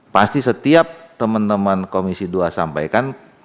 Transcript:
pasti setiap teman teman komisi dua sampaikan